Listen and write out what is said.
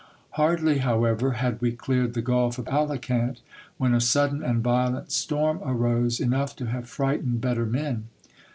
Hardly, however, had we cleared the gulf of Alicant, when a sudden and violent storm arose, enough to have frightened better men.